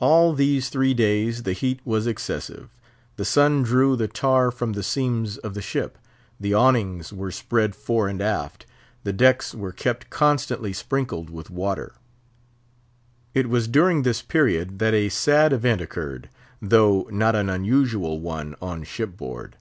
All these three days the heat was excessive; the sun drew the tar from the seams of the ship; the awnings were spread fore and aft; the decks were kept constantly sprinkled with water. It was during this period that a sad event occurred, though not an unusual one on shipboard.